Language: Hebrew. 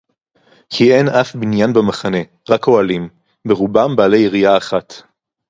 כִּי אֵין אַף בִּנְיָן בְּמַחֲנֶה, רַק אֹהָלִים, בְּרֻבָּם בַּעֲלִי יְרִיעָה אַחַת.